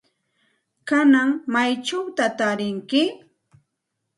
¿Kanan maychawta taaranki?